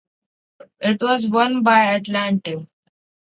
It was won by Atlante.